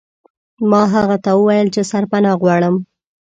ما هغه ته وویل چې سرپناه غواړم.